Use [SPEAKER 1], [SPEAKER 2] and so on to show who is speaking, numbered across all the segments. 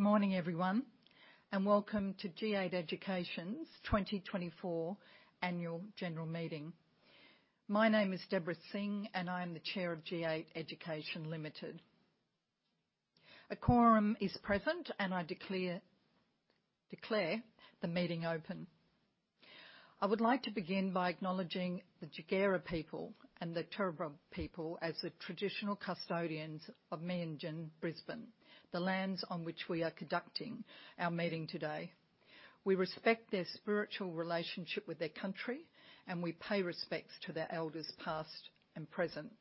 [SPEAKER 1] Good morning, everyone, and welcome to G8 Education's 2024 Annual General Meeting. My name is Debra Singh, and I am the Chair of G8 Education Limited. A quorum is present, and I declare the meeting open. I would like to begin by acknowledging the Jagera people and the Turrbal people as the traditional custodians of Meanjin, Brisbane, the lands on which we are conducting our meeting today. We respect their spiritual relationship with their country, and we pay respects to their elders past and present.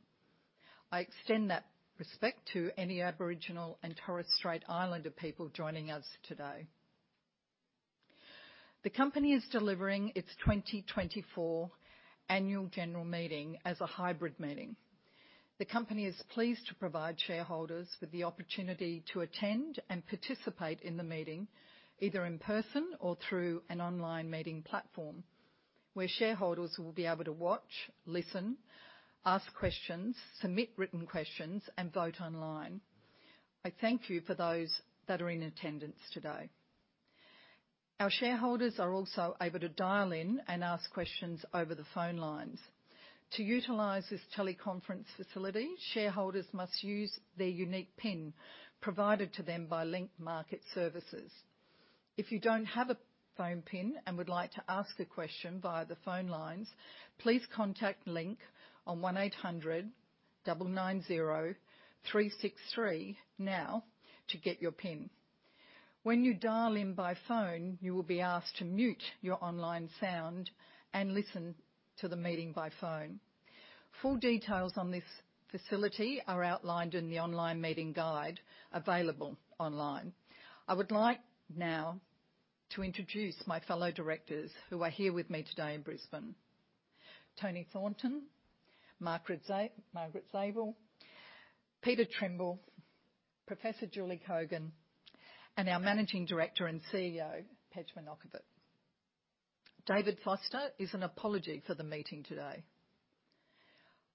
[SPEAKER 1] I extend that respect to any Aboriginal and Torres Strait Islander people joining us today. The company is delivering its 2024 Annual General Meeting as a hybrid meeting. The company is pleased to provide shareholders with the opportunity to attend and participate in the meeting, either in person or through an online meeting platform, where shareholders will be able to watch, listen, ask questions, submit written questions, and vote online. I thank you for those that are in attendance today. Our shareholders are also able to dial in and ask questions over the phone lines. To utilize this teleconference facility, shareholders must use their unique PIN provided to them by Link Market Services. If you don't have a phone PIN and would like to ask a question via the phone lines, please contact Link on 1-800-990-363 now to get your PIN. When you dial in by phone, you will be asked to mute your online sound and listen to the meeting by phone. Full details on this facility are outlined in the online meeting guide available online. I would like now to introduce my fellow directors who are here with me today in Brisbane: Toni Thornton, Margaret Zabel, Peter Trimble, Professor Julie Cogin, and our Managing Director and CEO, Pejman Okhovat. David Foster is an apology for the meeting today.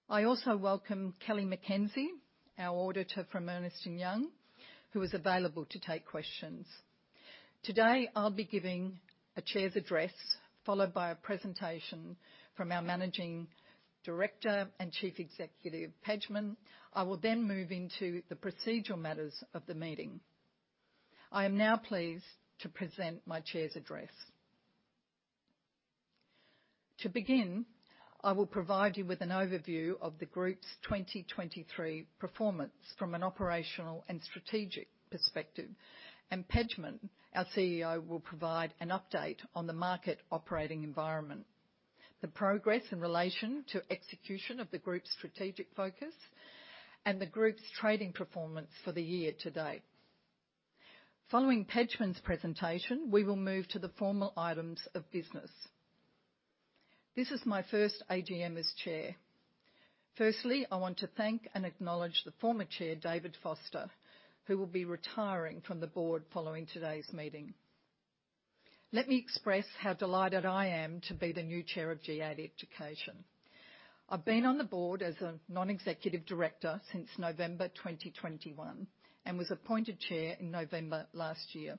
[SPEAKER 1] I also welcome Kellie McKenzie, our auditor from Ernst & Young, who is available to take questions. Today, I'll be giving a chair's address followed by a presentation from our Managing Director and Chief Executive, Pejman. I will then move into the procedural matters of the meeting. I am now pleased to present my chair's address. To begin, I will provide you with an overview of the Group's 2023 performance from an operational and strategic perspective, and Pejman, our CEO, will provide an update on the market operating environment, the progress in relation to execution of the Group's strategic focus, and the Group's trading performance for the year to date. Following Pejman's presentation, we will move to the formal items of business. This is my first AGM as Chair. Firstly, I want to thank and acknowledge the former chair, David Foster, who will be retiring from the Board following today's meeting. Let me express how delighted I am to be the new chair of G8 Education. I've been on the Board as a Non-Executive Director since November 2021 and was appointed Chair in November last year.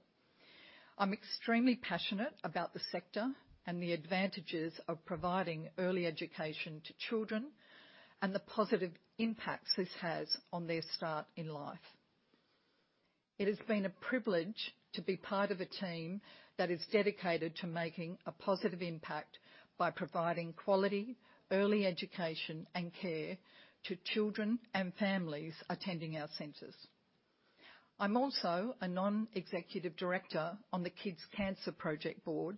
[SPEAKER 1] I'm extremely passionate about the sector and the advantages of providing early education to children and the positive impacts this has on their start in life. It has been a privilege to be part of a team that is dedicated to making a positive impact by providing quality, early education, and care to children and families attending our centers. I'm also a Non-Executive Director on the Kids' Cancer Project Board,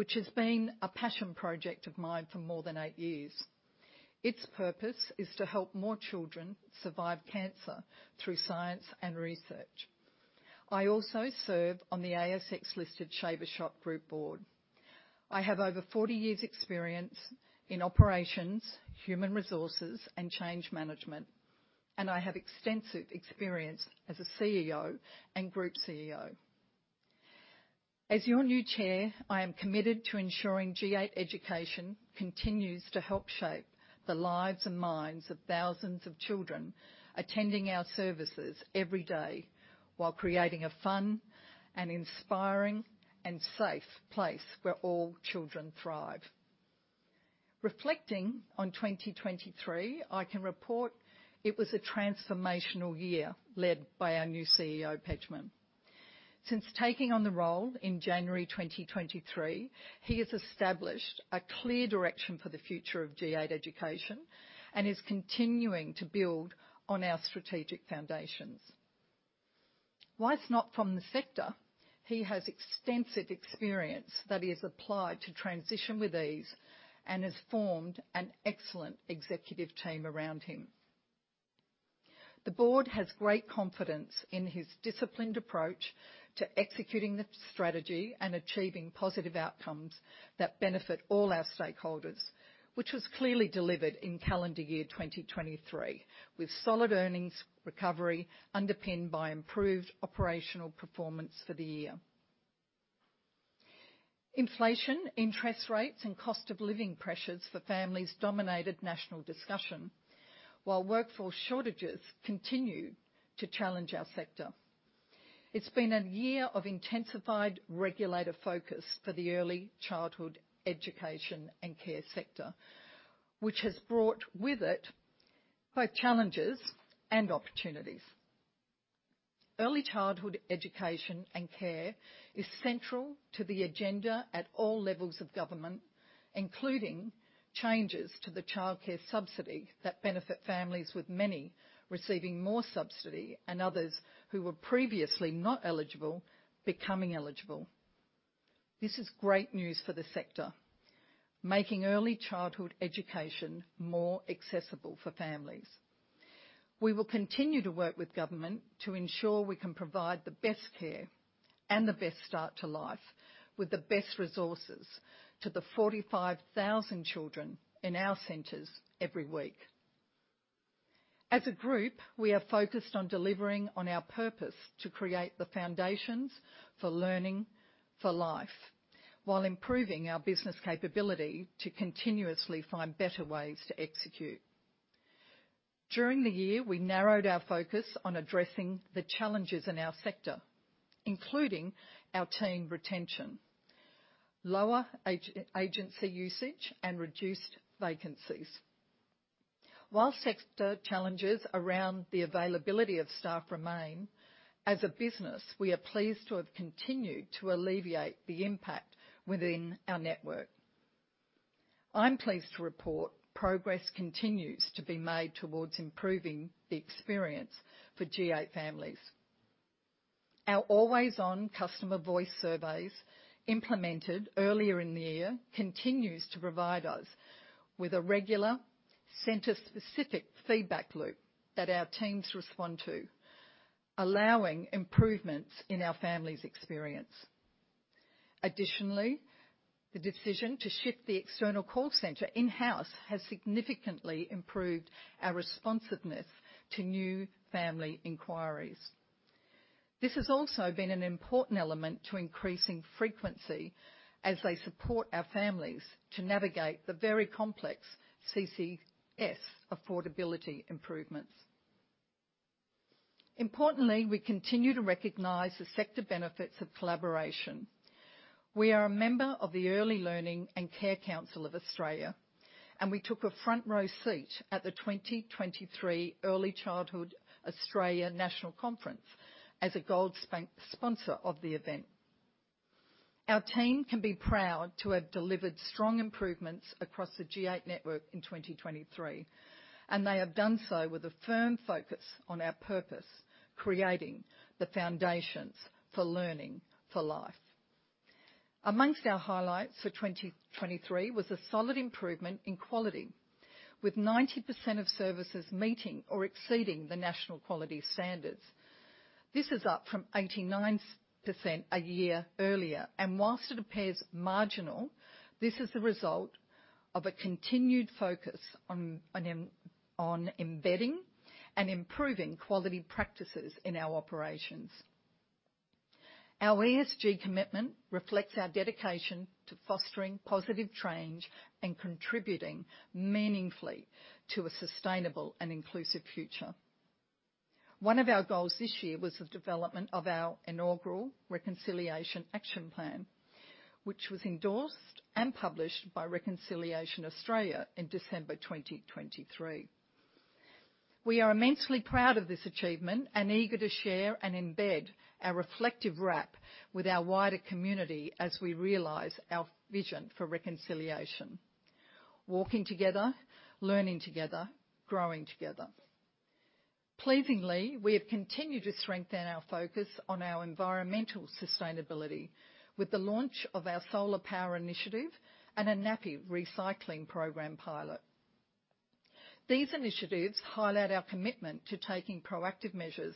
[SPEAKER 1] which has been a passion project of mine for more than eight years. Its purpose is to help more children survive cancer through science and research. I also serve on the ASX-listed Shaver Shop Group Board. I have over 40 years' experience in operations, human resources, and change management, and I have extensive experience as a CEO and Group CEO. As your new chair, I am committed to ensuring G8 Education continues to help shape the lives and minds of thousands of children attending our services every day while creating a fun, inspiring, and safe place where all children thrive. Reflecting on 2023, I can report it was a transformational year led by our new CEO, Pejman. Since taking on the role in January 2023, he has established a clear direction for the future of G8 Education and is continuing to build on our strategic foundations. Whilst not from the sector, he has extensive experience that he has applied to transition with ease and has formed an excellent executive team around him. The Board has great confidence in his disciplined approach to executing the strategy and achieving positive outcomes that benefit all our stakeholders, which was clearly delivered in calendar year 2023 with solid earnings recovery underpinned by improved operational performance for the year. Inflation, interest rates, and cost of living pressures for families dominated national discussion while workforce shortages continued to challenge our sector. It's been a year of intensified regulator focus for the early childhood education and care sector, which has brought with it both challenges and opportunities. Early childhood education and care is central to the agenda at all levels of government, including changes to the Child Care Subsidy that benefit families with many receiving more subsidy and others who were previously not eligible becoming eligible. This is great news for the sector, making early childhood education more accessible for families. We will continue to work with government to ensure we can provide the best care and the best start to life with the best resources to the 45,000 children in our centers every week. As a group, we are focused on delivering on our purpose to create the foundations for learning for life while improving our business capability to continuously find better ways to execute. During the year, we narrowed our focus on addressing the challenges in our sector, including our team retention, lower agency usage, and reduced vacancies. While sector challenges around the availability of staff remain, as a business, we are pleased to have continued to alleviate the impact within our network. I'm pleased to report progress continues to be made towards improving the experience for G8 families. Our always-on customer voice surveys implemented earlier in the year continue to provide us with a regular center-specific feedback loop that our teams respond to, allowing improvements in our families' experience. Additionally, the decision to shift the external call center in-house has significantly improved our responsiveness to new family inquiries. This has also been an important element to increasing frequency as they support our families to navigate the very complex CCS affordability improvements. Importantly, we continue to recognize the sector benefits of collaboration. We are a member of the Early Learning and Care Council of Australia, and we took a front-row seat at the 2023 Early Childhood Australia National Conference as a gold sponsor of the event. Our team can be proud to have delivered strong improvements across the G8 network in 2023, and they have done so with a firm focus on our purpose, creating the foundations for learning for life. Among our highlights for 2023 was a solid improvement in quality, with 90% of services meeting or exceeding the national quality standards. This is up from 89% a year earlier, and while it appears marginal, this is the result of a continued focus on embedding and improving quality practices in our operations. Our ESG commitment reflects our dedication to fostering positive change and contributing meaningfully to a sustainable and inclusive future. One of our goals this year was the development of our inaugural Reconciliation Action Plan, which was endorsed and published by Reconciliation Australia in December 2023. We are immensely proud of this achievement and eager to share and embed our Reflect RAP with our wider community as we realize our vision for reconciliation: walking together, learning together, growing together. Pleasingly, we have continued to strengthen our focus on our environmental sustainability with the launch of our solar power initiative and a nappy recycling program pilot. These initiatives highlight our commitment to taking proactive measures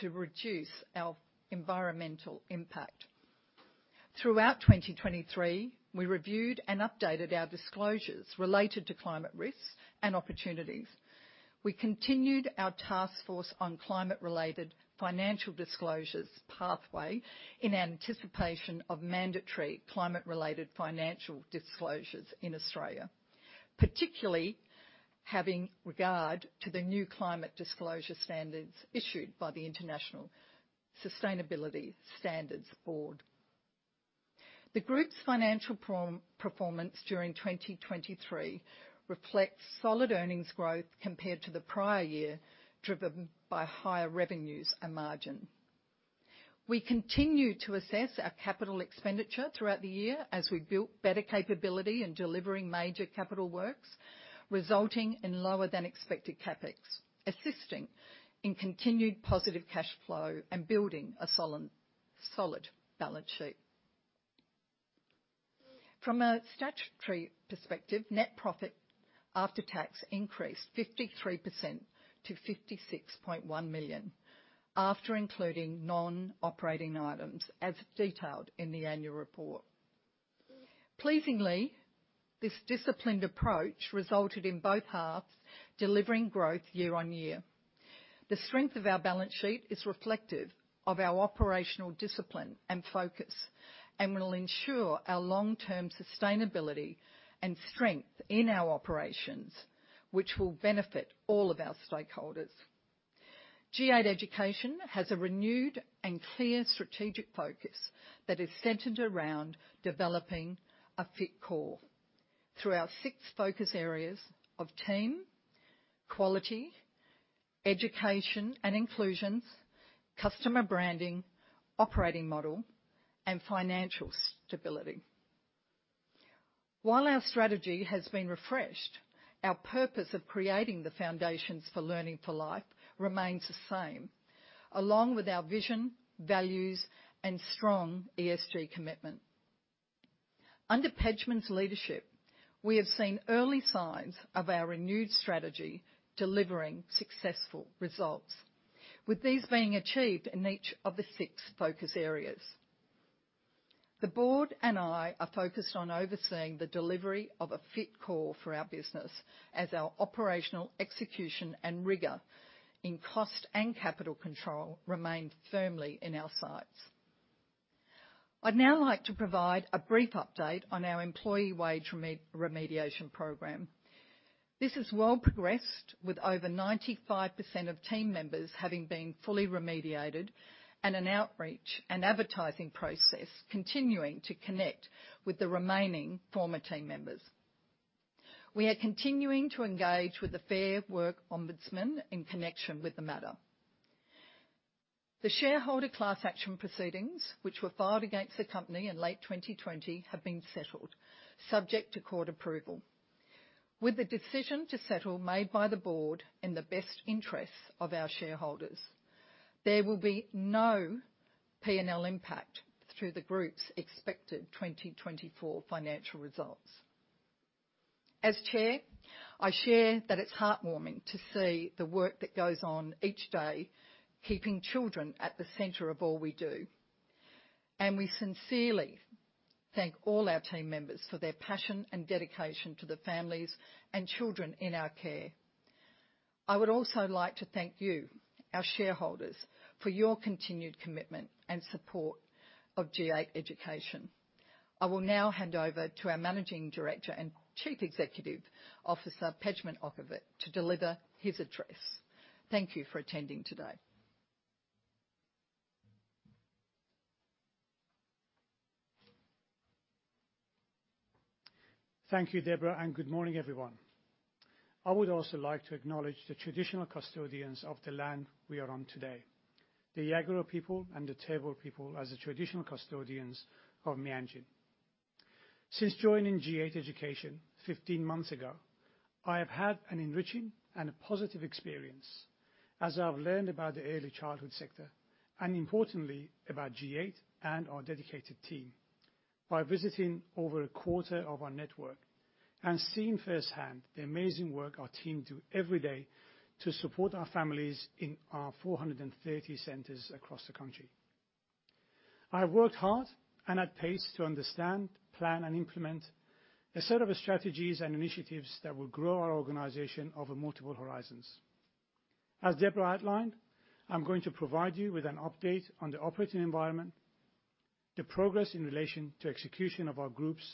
[SPEAKER 1] to reduce our environmental impact. Throughout 2023, we reviewed and updated our disclosures related to climate risks and opportunities. We continued our Task Force on Climate-related Financial Disclosures pathway in anticipation of mandatory climate-related financial disclosures in Australia, particularly having regard to the new climate disclosure standards issued by the International Sustainability Standards Board. The Group's financial performance during 2023 reflects solid earnings growth compared to the prior year driven by higher revenues and margin. We continue to assess our capital expenditure throughout the year as we build better capability in delivering major capital works, resulting in lower-than-expected CapEx, assisting in continued positive cash flow and building a solid balance sheet. From a statutory perspective, net profit after tax increased 53% to 56.1 million after including non-operating items, as detailed in the Annual Report. Pleasingly, this disciplined approach resulted in both halves delivering growth year-on-year. The strength of our balance sheet is reflective of our operational discipline and focus and will ensure our long-term sustainability and strength in our operations, which will benefit all of our stakeholders. G8 Education has a renewed and clear strategic focus that is centered around developing a fit core. Through our six focus areas of Team, Quality Education and Inclusions, Customer Branding, Operating Model, and Financial Stability. While our strategy has been refreshed, our purpose of creating the foundations for learning for life remains the same, along with our vision, values, and strong ESG commitment. Under Pejman's leadership, we have seen early signs of our renewed strategy delivering successful results, with these being achieved in each of the six focus areas. The Board and I are focused on overseeing the delivery of a fit core for our business as our operational execution and rigour in cost and capital control remain firmly in our sights. I'd now like to provide a brief update on our employee wage remediation program. This has well progressed, with over 95% of team members having been fully remediated and an outreach and advertising process continuing to connect with the remaining former team members. We are continuing to engage with the Fair Work Ombudsman in connection with the matter. The shareholder class action proceedings, which were filed against the company in late 2020, have been settled, subject to court approval, with the decision to settle made by the Board in the best interests of our shareholders. There will be no P&L impact through the Group's expected 2024 financial results. As chair, I share that it's heartwarming to see the work that goes on each day keeping children at the center of all we do, and we sincerely thank all our team members for their passion and dedication to the families and children in our care. I would also like to thank you, our shareholders, for your continued commitment and support of G8 Education. I will now hand over to our Managing Director and Chief Executive Officer, Pejman Okhovat, to deliver his address. Thank you for attending today.
[SPEAKER 2] Thank you, Debra, and good morning, everyone. I would also like to acknowledge the traditional custodians of the land we are on today, the Jagera people and the Turrbal people as the traditional custodians of Meanjin. Since joining G8 Education 15 months ago, I have had an enriching and positive experience as I have learned about the early childhood sector and, importantly, about G8 and our dedicated team by visiting over a quarter of our network and seeing firsthand the amazing work our team do every day to support our families in our 430 centers across the country. I have worked hard and at pace to understand, plan, and implement a set of strategies and initiatives that will grow our organization over multiple horizons. As Debra outlined, I'm going to provide you with an update on the operating environment, the progress in relation to execution of our Group's,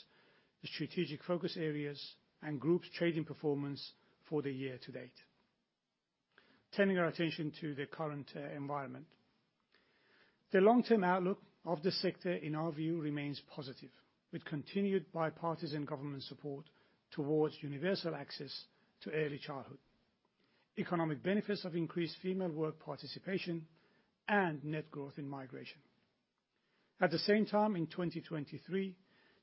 [SPEAKER 2] the strategic focus areas, and Group's trading performance for the year-to-date, turning our attention to the current environment. The long-term outlook of the sector, in our view, remains positive, with continued bipartisan government support towards universal access to early childhood, economic benefits of increased female work participation, and net growth in migration. At the same time, in 2023,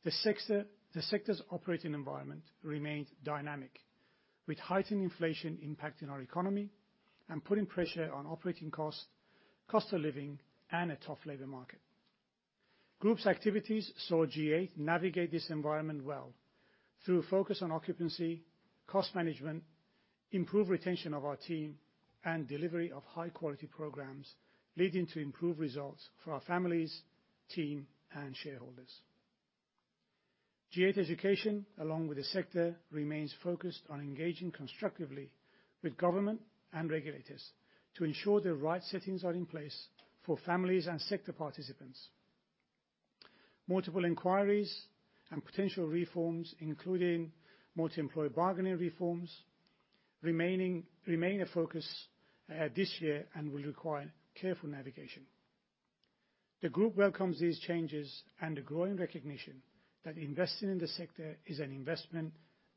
[SPEAKER 2] the sector's operating environment remained dynamic, with heightened inflation impacting our economy and putting pressure on operating costs, cost of living, and a tough labor market. Group's activities saw G8 navigate this environment well through focus on occupancy, cost management, improved retention of our team, and delivery of high-quality programs leading to improved results for our families, team, and shareholders. G8 Education, along with the sector, remains focused on engaging constructively with government and regulators to ensure the right settings are in place for families and sector participants. Multiple inquiries and potential reforms, including multi-employee bargaining reforms, remain a focus this year and will require careful navigation. The Group welcomes these changes and the growing recognition that investing in the sector is an investment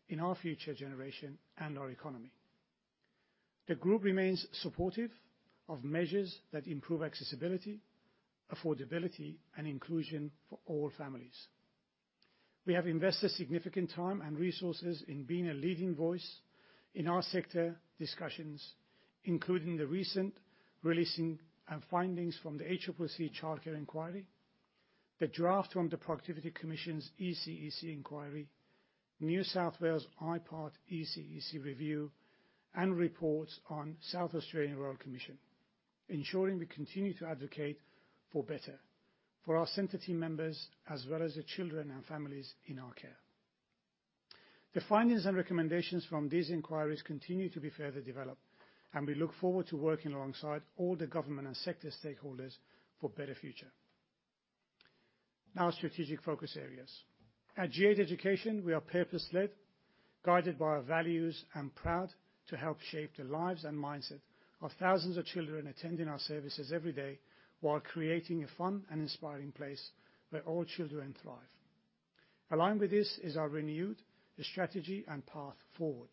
[SPEAKER 2] in our future generation and our economy. The Group remains supportive of measures that improve accessibility, affordability, and inclusion for all families. We have invested significant time and resources in being a leading voice in our sector discussions, including the recent releasing findings from the ACCC childcare inquiry, the draft from the Productivity Commission's ECEC inquiry, New South Wales' IPART ECEC review, and reports on South Australian Royal Commission, ensuring we continue to advocate for better for our center team members as well as the children and families in our care. The findings and recommendations from these inquiries continue to be further developed, and we look forward to working alongside all the government and sector stakeholders for a better future. Now, strategic focus areas. At G8 Education, we are purpose-led, guided by our values, and proud to help shape the lives and mindset of thousands of children attending our services every day while creating a fun and inspiring place where all children thrive. Aligned with this is our renewed strategy and path forward.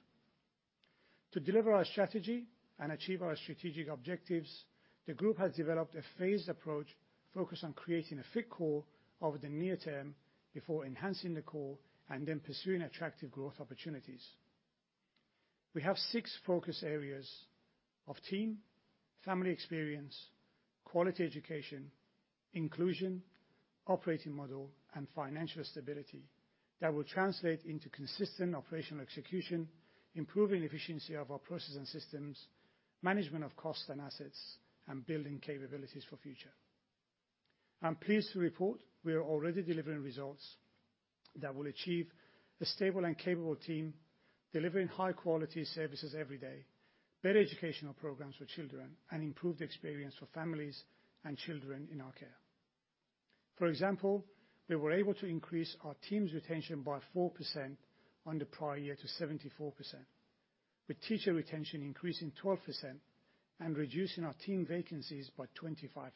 [SPEAKER 2] To deliver our strategy and achieve our strategic objectives, the Group has developed a phased approach focused on creating a fit core over the near term before enhancing the core and then pursuing attractive growth opportunities. We have six focus areas of Team, Family Experience, Quality Education, Inclusion, Operating Model, and Financial Stability that will translate into consistent operational execution, improving efficiency of our processes and systems, management of costs and assets, and building capabilities for the future. I'm pleased to report we are already delivering results that will achieve a stable and capable team delivering high-quality services every day, better educational programs for children, and improved experience for families and children in our care. For example, we were able to increase our team's retention by 4% on the prior year to 74%, with teacher retention increasing 12% and reducing our team vacancies by 25%.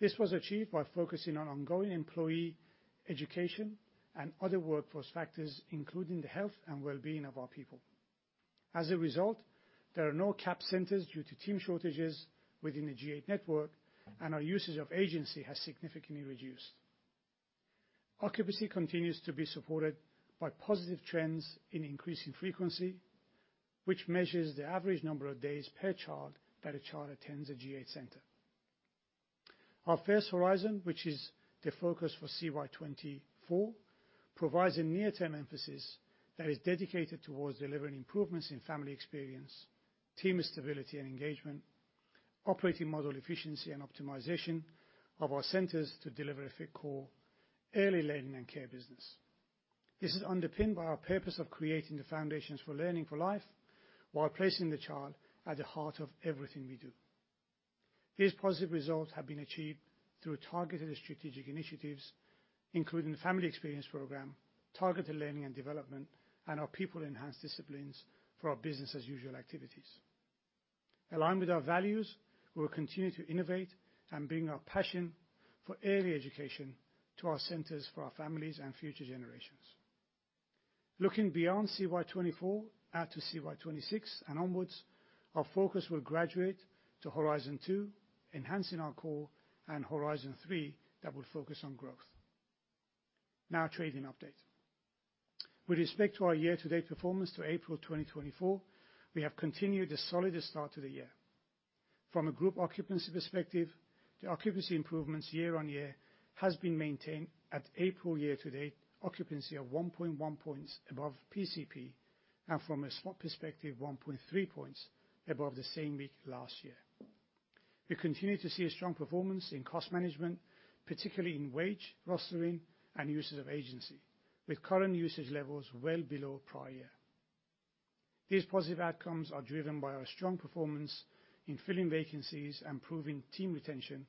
[SPEAKER 2] This was achieved by focusing on ongoing employee education and other workforce factors, including the health and well-being of our people. As a result, there are no capped centres due to team shortages within the G8 network, and our usage of agency has significantly reduced. Occupancy continues to be supported by positive trends in increasing frequency, which measures the average number of days per child that a child attends a G8 centre. Our first Horizon, which is the focus for CY 2024, provides a near-term emphasis that is dedicated toward delivering improvements in family experience, team stability and engagement, operating model efficiency and optimization of our centres to deliver a fit core, early learning, and care business. This is underpinned by our purpose of creating the foundations for learning for life while placing the child at the heart of everything we do. These positive results have been achieved through targeted strategic initiatives, including the family experience program, targeted learning and development, and our people-enhanced disciplines for our business-as-usual activities. Aligned with our values, we will continue to innovate and bring our passion for early education to our centers for our families and future generations. Looking beyond CY 2024 out to CY 2026 and onwards, our focus will graduate to Horizon 2, enhancing our core, and Horizon 3 that will focus on growth. Now, trading update. With respect to our year-to-date performance to April 2024, we have continued a solid start to the year. From a group occupancy perspective, the occupancy improvements year-on-year have been maintained at April year-to-date, occupancy of 1.1 points above PCP, and from a spot perspective, 1.3 points above the same week last year. We continue to see a strong performance in cost management, particularly in wage rostering and usage of agency, with current usage levels well below prior year. These positive outcomes are driven by our strong performance in filling vacancies and improving team retention,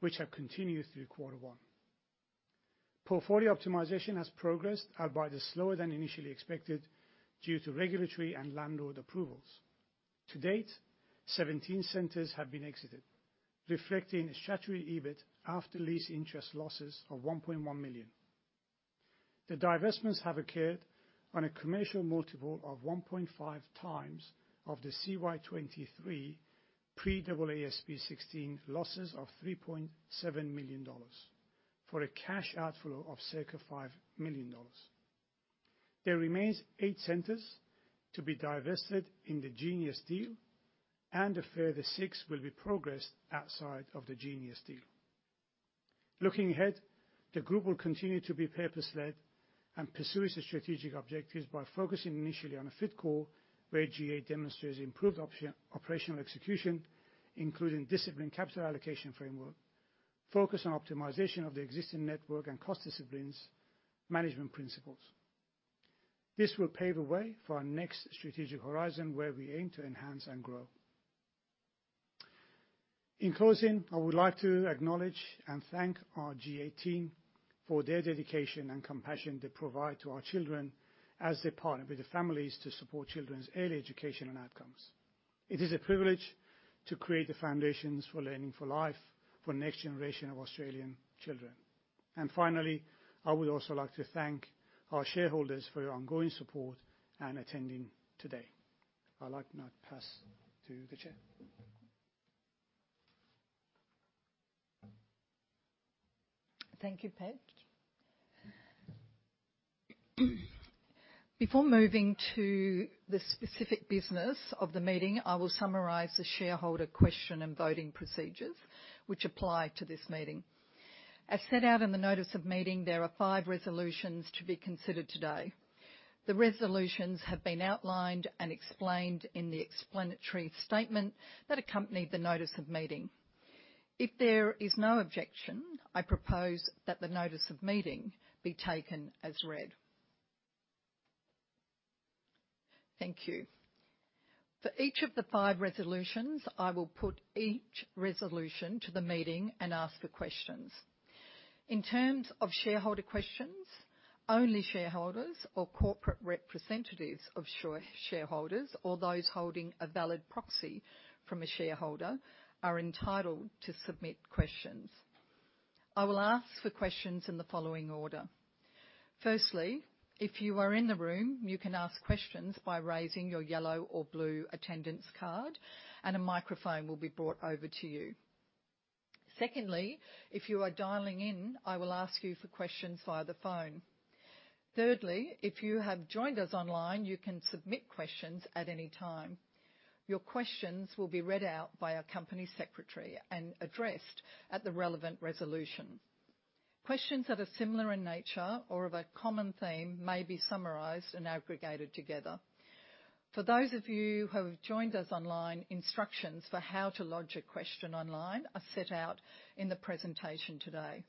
[SPEAKER 2] which have continued through quarter one. Portfolio optimization has progressed, albeit slower than initially expected due to regulatory and landlord approvals. To date, 17 centers have been exited, reflecting a statutory EBIT after lease interest losses of 1.1 million. The divestments have occurred on a commercial multiple of 1.5x of the CY 2023 pre-AASB 16 losses of 3.7 million dollars for a cash outflow of circa 5 million dollars. There remains eight centers to be divested in the Genius deal, and the further six will be progressed outside of the Genius deal. Looking ahead, the Group will continue to be purpose-led and pursue its strategic objectives by focusing initially on a fit core where G8 demonstrates improved operational execution, including disciplined capital allocation framework, focus on optimization of the existing network and cost disciplines, and management principles. This will pave the way for our next strategic horizon where we aim to enhance and grow. In closing, I would like to acknowledge and thank our G8 team for their dedication and compassion they provide to our children as they partner with the families to support children's early education and outcomes. It is a privilege to create the foundations for learning for life for the next generation of Australian children. Finally, I would also like to thank our shareholders for your ongoing support and attending today. I'd like to now pass to the chair.
[SPEAKER 1] Thank you, Pej. Before moving to the specific business of the meeting, I will summarize the shareholder question and voting procedures which apply to this meeting. As set out in the Notice of Meeting, there are five resolutions to be considered today. The resolutions have been outlined and explained in the Explanatory Statement that accompanied the Notice of Meeting. If there is no objection, I propose that the Notice of Meeting be taken as read. Thank you. For each of the five resolutions, I will put each resolution to the meeting and ask for questions. In terms of shareholder questions, only shareholders or corporate representatives of shareholders or those holding a valid proxy from a shareholder are entitled to submit questions. I will ask for questions in the following order. Firstly, if you are in the room, you can ask questions by raising your yellow or blue attendance card, and a microphone will be brought over to you. Secondly, if you are dialing in, I will ask you for questions via the phone. Thirdly, if you have joined us online, you can submit questions at any time. Your questions will be read out by our company secretary and addressed at the relevant resolution. Questions that are similar in nature or of a common theme may be summarized and aggregated together. For those of you who have joined us online, instructions for how to lodge a question online are set out in the presentation today.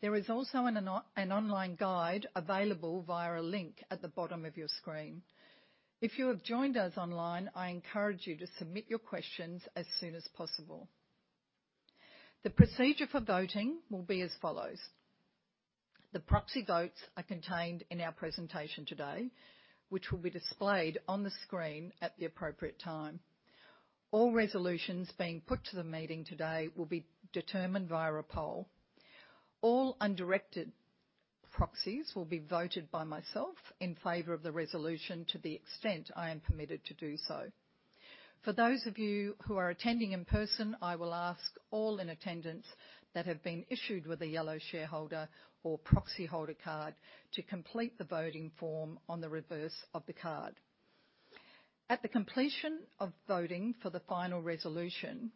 [SPEAKER 1] There is also an online guide available via a link at the bottom of your screen. If you have joined us online, I encourage you to submit your questions as soon as possible. The procedure for voting will be as follows. The proxy votes are contained in our presentation today, which will be displayed on the screen at the appropriate time. All resolutions being put to the meeting today will be determined via a poll. All undirected proxies will be voted by myself in favor of the resolution to the extent I am permitted to do so. For those of you who are attending in person, I will ask all in attendance that have been issued with a yellow shareholder or proxy holder card to complete the voting form on the reverse of the card. At the completion of voting for the final resolution,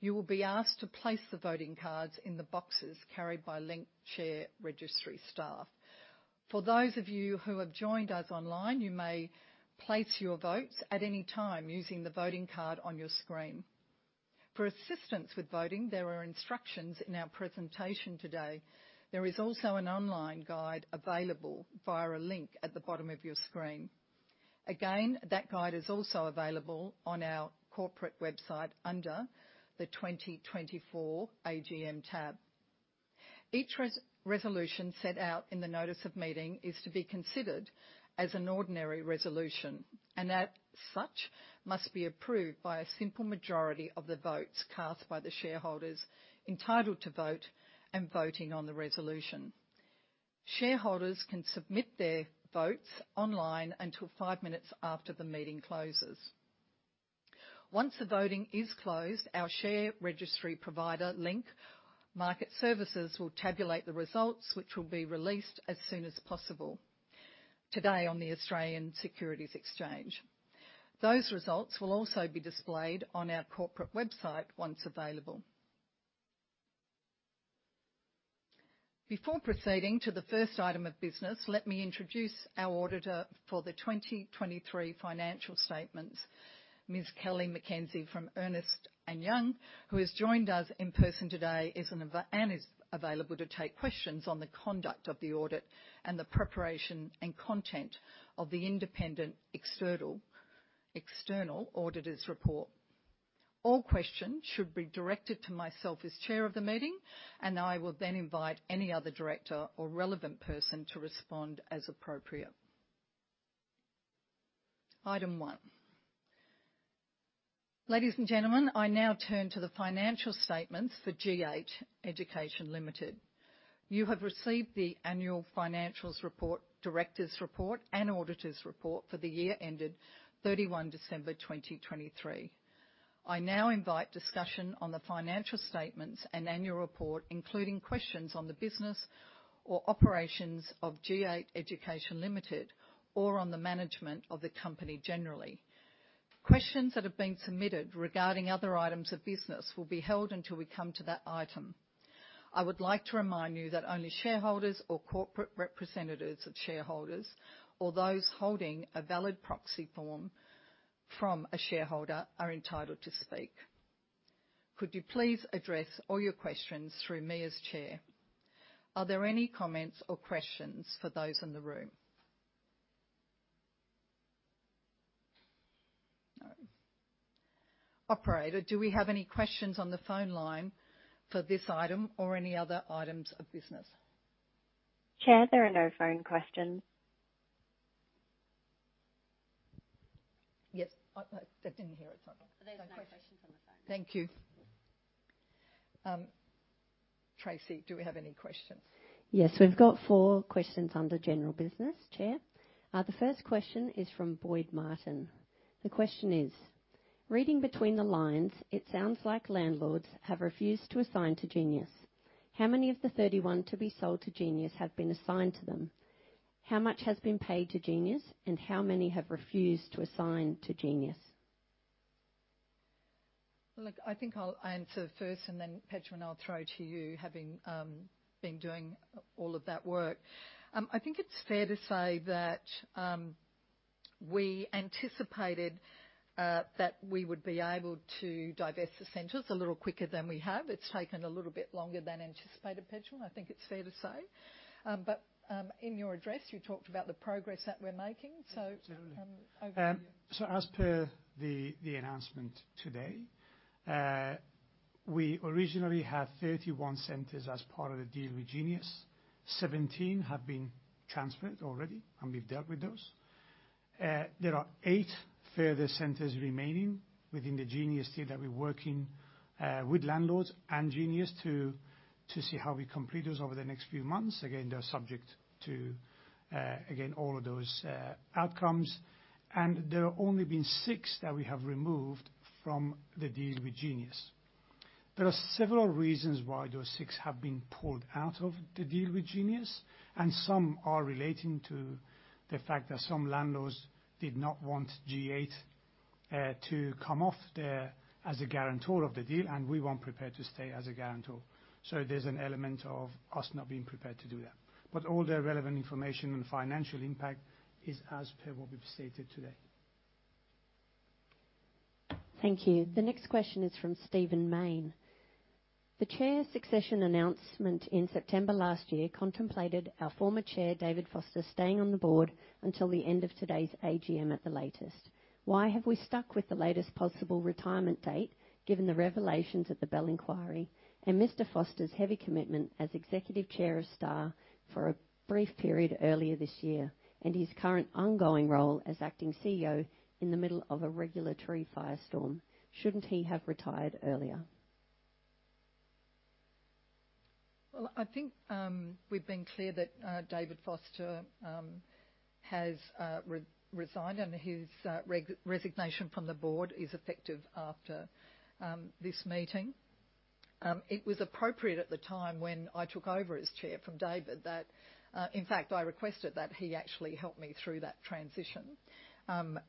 [SPEAKER 1] you will be asked to place the voting cards in the boxes carried by Link Market Services staff. For those of you who have joined us online, you may place your votes at any time using the voting card on your screen. For assistance with voting, there are instructions in our presentation today. There is also an online guide available via a link at the bottom of your screen. Again, that guide is also available on our corporate website under the 2024 AGM tab. Each resolution set out in the Notice of Neeting is to be considered as an ordinary resolution, and as such, must be approved by a simple majority of the votes cast by the shareholders entitled to vote and voting on the resolution. Shareholders can submit their votes online until five minutes after the meeting closes. Once the voting is closed, our share registry provider Link Market Services will tabulate the results, which will be released as soon as possible today on the Australian Securities Exchange. Those results will also be displayed on our corporate website once available. Before proceeding to the first item of business, let me introduce our auditor for the 2023 financial statements, Ms. Kellie McKenzie from Ernst & Young, who has joined us in person today and is available to take questions on the conduct of the audit and the preparation and content of the independent external auditor's report. All questions should be directed to myself as chair of the meeting, and I will then invite any other director or relevant person to respond as appropriate. Item one. Ladies and gentlemen, I now turn to the financial statements for G8 Education Limited. You have received the Annual Financials Report, Directors' Report, and Auditor's Report for the year ended 31 December 2023. I now invite discussion on the financial statements and annual report, including questions on the business or operations of G8 Education Limited or on the management of the company generally. Questions that have been submitted regarding other items of business will be held until we come to that item. I would like to remind you that only shareholders or corporate representatives of shareholders or those holding a valid proxy form from a shareholder are entitled to speak. Could you please address all your questions through me as chair? Are there any comments or questions for those in the room? Operator, do we have any questions on the phone line for this item or any other items of business?
[SPEAKER 3] Chair, there are no phone questions.
[SPEAKER 1] Yes. I didn't hear it. Sorry.
[SPEAKER 3] There's no questions on the phone.
[SPEAKER 1] Thank you. Tracey, do we have any questions?
[SPEAKER 4] Yes. We've got four questions under general business, Chair. The first question is from Boyd Martin. The question is, "Reading between the lines, it sounds like landlords have refused to assign to Genius. How many of the 31 to be sold to Genius have been assigned to them? How much has been paid to Genius, and how many have refused to assign to Genius?
[SPEAKER 1] Look, I think I'll answer first, and then Pejman, I'll throw it to you, having been doing all of that work. I think it's fair to say that we anticipated that we would be able to divest the centers a little quicker than we have. It's taken a little bit longer than anticipated, Pejman. I think it's fair to say. But in your address, you talked about the progress that we're making, so over to you.
[SPEAKER 2] As per the announcement today, we originally had 31 centers as part of the deal with Genius. 17 have been transferred already, and we've dealt with those. There are eight further centers remaining within the Genius deal that we're working with landlords and Genius to see how we complete those over the next few months. Again, they're subject to, again, all of those outcomes. There have only been six that we have removed from the deal with Genius. There are several reasons why those six have been pulled out of the deal with Genius, and some are relating to the fact that some landlords did not want G8 to come off there as a guarantor of the deal, and we weren't prepared to stay as a guarantor. There's an element of us not being prepared to do that. All their relevant information and financial impact is as per what we've stated today.
[SPEAKER 4] Thank you. The next question is from Stephen Mayne. "The chair's succession announcement in September last year contemplated our former chair, David Foster, staying on the Board until the end of today's AGM at the latest. Why have we stuck with the latest possible retirement date, given the revelations at the Bell Inquiry and Mr. Foster's heavy commitment as executive chair of Star for a brief period earlier this year and his current ongoing role as acting CEO in the middle of a regulatory firestorm? Shouldn't he have retired earlier?
[SPEAKER 1] Well, I think we've been clear that David Foster has resigned, and his resignation from the Board is effective after this meeting. It was appropriate at the time when I took over as chair from David that in fact, I requested that he actually help me through that transition,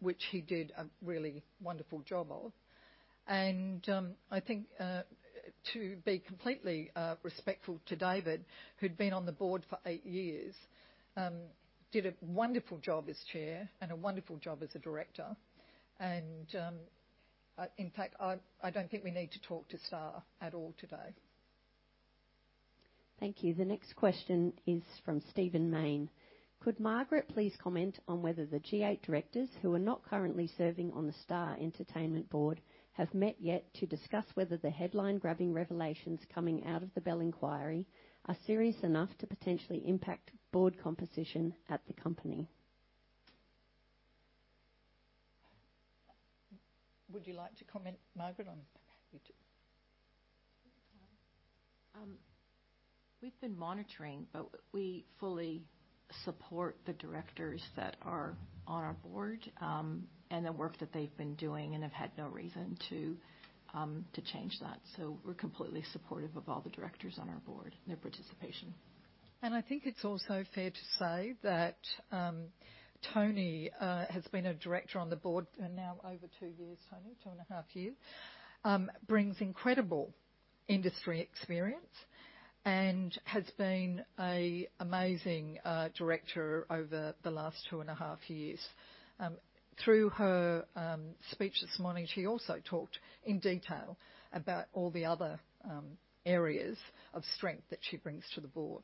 [SPEAKER 1] which he did a really wonderful job of. And I think, to be completely respectful to David, who'd been on the Board for eight years, did a wonderful job as chair and a wonderful job as a director. And in fact, I don't think we need to talk to Star at all today.
[SPEAKER 4] Thank you. The next question is from Stephen Mayne. "Could Margaret please comment on whether the G8 directors who are not currently serving on the Star Entertainment Board have met yet to discuss whether the headline-grabbing revelations coming out of the Bell Inquiry are serious enough to potentially impact board composition at the company?
[SPEAKER 1] Would you like to comment, Margaret, on that?
[SPEAKER 5] We've been monitoring, but we fully support the directors that are on our Board and the work that they've been doing, and have had no reason to change that. So we're completely supportive of all the directors on our Board and their participation.
[SPEAKER 1] I think it's also fair to say that Toni has been a director on the Board for now over two years, Toni, two and a half years, brings incredible industry experience and has been an amazing director over the last two and a half years. Through her speech this morning, she also talked in detail about all the other areas of strength that she brings to the Board.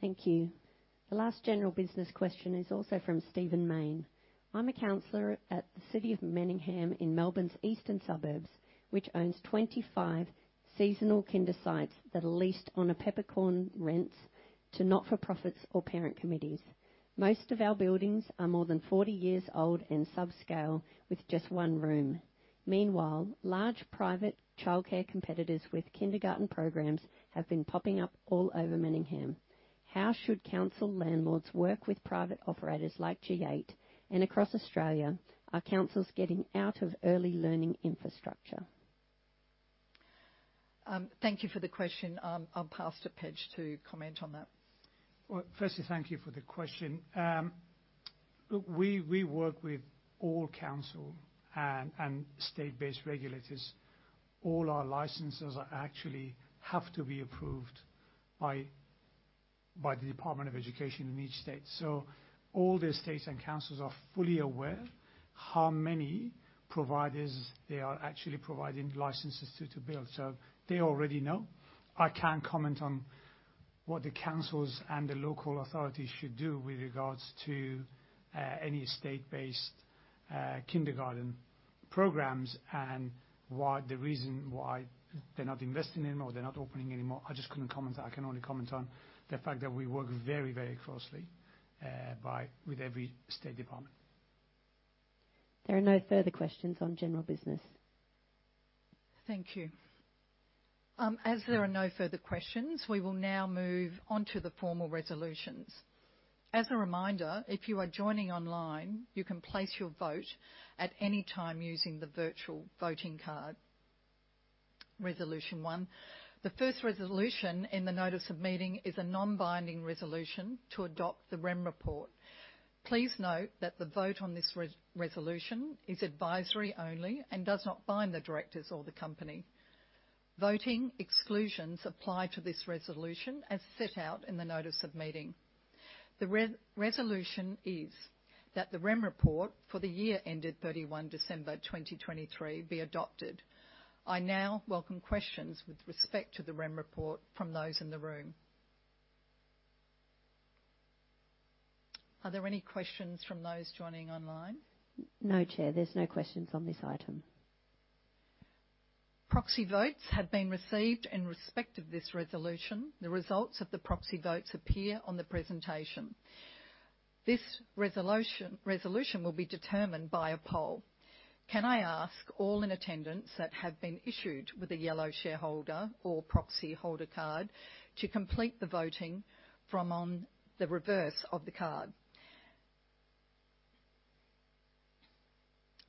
[SPEAKER 4] Thank you. The last general business question is also from Stephen Mayne. "I'm a counselor at the City of Manningham in Melbourne's eastern suburbs, which owns 25 seasonal kinder sites that are leased on a peppercorn rent to not-for-profits or parent committees. Most of our buildings are more than 40 years old and subscale with just one room. Meanwhile, large private childcare competitors with kindergarten programs have been popping up all over Manningham. How should council landlords work with private operators like G8? And across Australia, are councils getting out of early learning infrastructure?
[SPEAKER 1] Thank you for the question. I'll pass to Pej to comment on that.
[SPEAKER 2] Firstly, thank you for the question. Look, we work with all council and state-based regulators. All our licenses actually have to be approved by the Department of Education in each state. So all the states and councils are fully aware how many providers they are actually providing licenses to build. So they already know. I can't comment on what the councils and the local authorities should do with regards to any state-based kindergarten programs and the reason why they're not investing in them or they're not opening anymore. I just couldn't comment. I can only comment on the fact that we work very, very closely with every state department.
[SPEAKER 4] There are no further questions on general business.
[SPEAKER 1] Thank you. As there are no further questions, we will now move onto the formal resolutions. As a reminder, if you are joining online, you can place your vote at any time using the virtual voting card. Resolution 1. The first resolution in the Notice of Meeting is a non-binding resolution to adopt the Rem report. Please note that the vote on this resolution is advisory only and does not bind the directors or the company. Voting exclusions apply to this resolution as set out in the Notice of Meeting. The resolution is that the Rem report for the year ended 31 December 2023 be adopted. I now welcome questions with respect to the Rem report from those in the room. Are there any questions from those joining online?
[SPEAKER 4] No, chair. There's no questions on this item.
[SPEAKER 1] Proxy votes have been received in respect of this resolution. The results of the proxy votes appear on the presentation. This resolution will be determined by a poll. Can I ask all in attendance that have been issued with a yellow shareholder or proxy holder card to complete the voting form on the reverse of the card?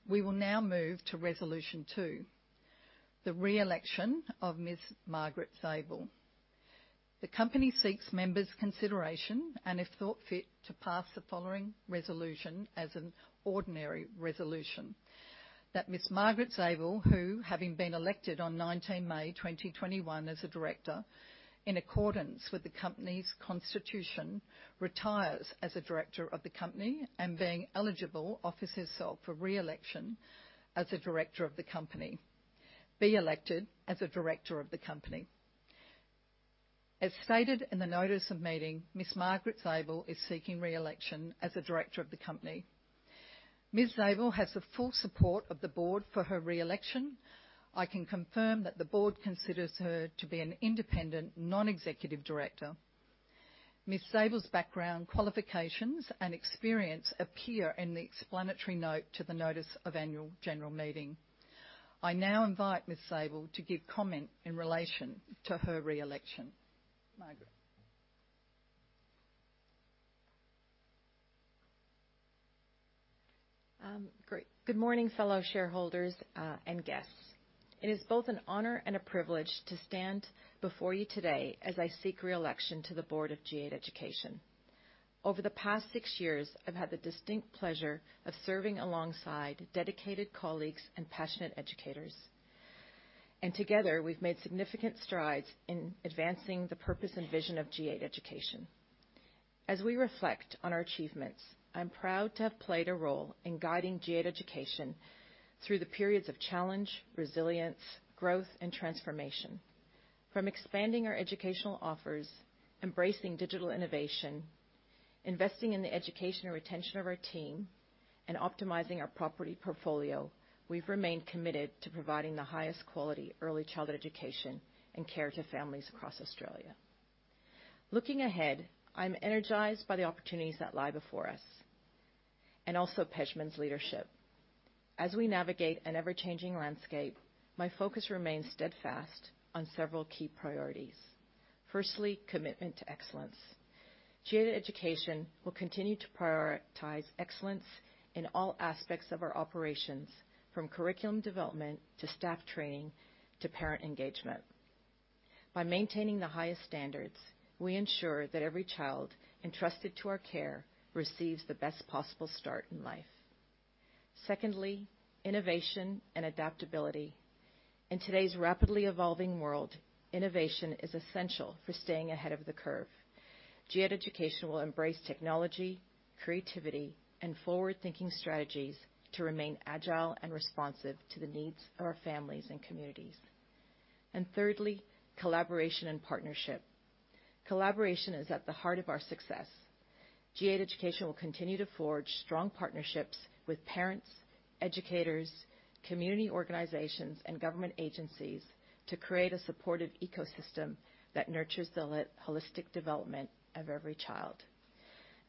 [SPEAKER 1] We will now move to Resolution 2, the re-election of Ms. Margaret Zabel. The company seeks members' consideration and, if thought fit, to pass the following resolution as an ordinary resolution: that Ms. Margaret Zabel, who, having been elected on 19 May 2021 as a director in accordance with the company's constitution, retires as a director of the company and, being eligible, offers herself for re-election as a director of the company. Be elected as a director of the company. As stated in the Notice of Meeting, Ms. Margaret Zabel is seeking re-election as a director of the company. Ms. Zabel has the full support of the Board for her re-election. I can confirm that the Board considers her to be an independent, Non-Executive Director. Ms. Zabel's background, qualifications, and experience appear in the explanatory note to the Notice of Annual General Meeting. I now invite Ms. Zabel to give comment in relation to her re-election. Margaret.
[SPEAKER 5] Great. Good morning, fellow shareholders and guests. It is both an honor and a privilege to stand before you today as I seek re-election to the Board of G8 Education. Over the past six years, I've had the distinct pleasure of serving alongside dedicated colleagues and passionate educators. And together, we've made significant strides in advancing the purpose and vision of G8 Education. As we reflect on our achievements, I'm proud to have played a role in guiding G8 Education through the periods of challenge, resilience, growth, and transformation. From expanding our educational offers, embracing digital innovation, investing in the educational retention of our team, and optimizing our property portfolio, we've remained committed to providing the highest quality early childhood education and care to families across Australia. Looking ahead, I'm energized by the opportunities that lie before us and also Pejman's leadership. As we navigate an ever-changing landscape, my focus remains steadfast on several key priorities. Firstly, commitment to excellence. G8 Education will continue to prioritize excellence in all aspects of our operations, from curriculum development to staff training to parent engagement. By maintaining the highest standards, we ensure that every child entrusted to our care receives the best possible start in life. Secondly, innovation and adaptability. In today's rapidly evolving world, innovation is essential for staying ahead of the curve. G8 Education will embrace technology, creativity, and forward-thinking strategies to remain agile and responsive to the needs of our families and communities. Thirdly, collaboration and partnership. Collaboration is at the heart of our success. G8 Education will continue to forge strong partnerships with parents, educators, community organizations, and government agencies to create a supportive ecosystem that nurtures the holistic development of every child.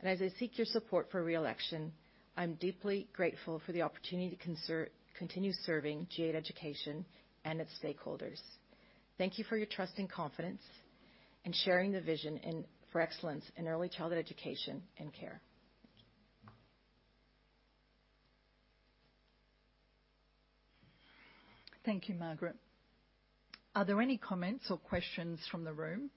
[SPEAKER 5] As I seek your support for re-election, I'm deeply grateful for the opportunity to continue serving G8 Education and its stakeholders. Thank you for your trust and confidence in sharing the vision for excellence in early childhood education and care.
[SPEAKER 1] Thank you, Margaret. Are there any comments or questions from the room?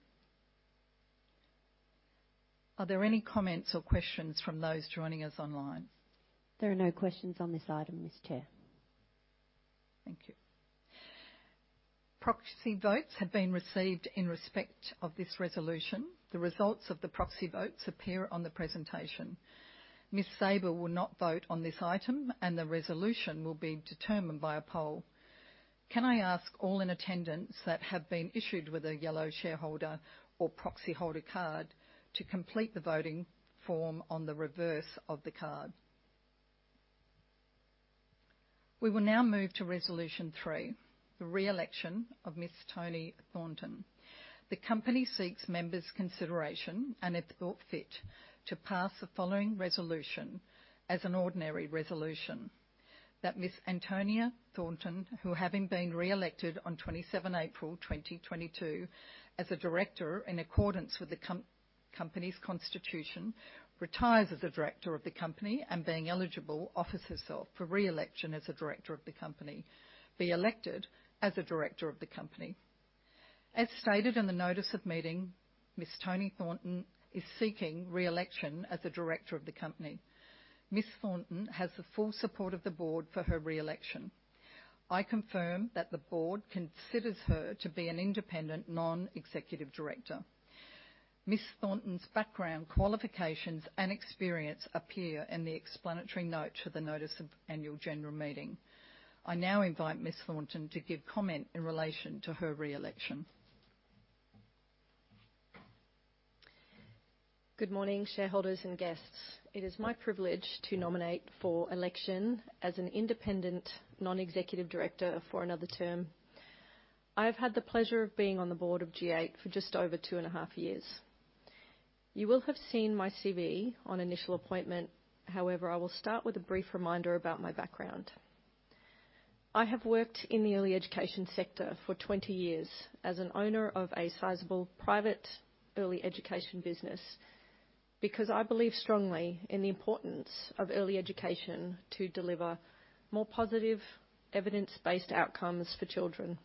[SPEAKER 1] Are there any comments or questions from those joining us online?
[SPEAKER 4] There are no questions on this item, Ms. Chair.
[SPEAKER 1] Thank you. Proxy votes have been received in respect of this resolution. The results of the proxy votes appear on the presentation. Ms. Zabel will not vote on this item, and the resolution will be determined by a poll. Can I ask all in attendance that have been issued with a yellow shareholder or proxy holder card to complete the voting form on the reverse of the card? We will now move to resolution three, the re-election of Ms. Toni Thornton. The company seeks members' consideration and, if thought fit, to pass the following resolution as an ordinary resolution: that Ms. Antonia Thornton, who having been re-elected on 27 April 2022 as a Director in accordance with the company's constitution, retires as a Director of the Company and, being eligible, offers herself for re-election as a Director of the Company. Be elected as a Director of the Company. As stated in the Notice of Meeting, Ms. Toni Thornton is seeking re-election as a Director of the Company. Ms. Thornton has the full support of the Board for her re-election. I confirm that the Board considers her to be an independent, Non-Executive Director. Ms. Thornton's background, qualifications, and experience appear in the explanatory note to the Notice of Annual General Meeting. I now invite Ms. Thornton to give comment in relation to her re-election.
[SPEAKER 6] Good morning, shareholders and guests. It is my privilege to nominate for election as an independent, Non-Executive Director for another term. I have had the pleasure of being on the Board of G8 for just over two and a half years. You will have seen my CV on initial appointment. However, I will start with a brief reminder about my background. I have worked in the early education sector for 20 years as an owner of a sizable private early education business because I believe strongly in the importance of early education to deliver more positive, evidence-based outcomes for children.